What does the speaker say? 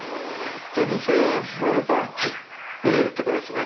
２０００円払えば見れるってことですね。